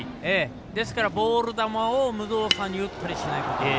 ですから、ボール球を無造作に打ったりしないこと。